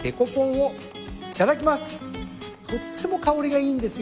とっても香りがいいんですよ。